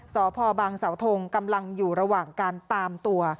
สพบังเสาทงกำลังอยู่ระหว่างการตามตัว